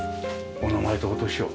お名前とお年を。